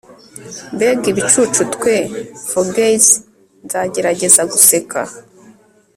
mbega ibicucu twe fogeys! nzagerageza guseka